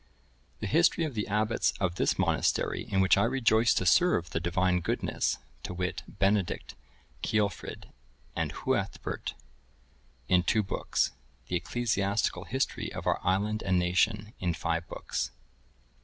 The History of the Abbots of this monastery, in which I rejoice to serve the Divine Goodness, to wit, Benedict, Ceolfrid, and Huaetbert,(1055) in two books. The Ecclesiastical History of our Island and Nation, in five books.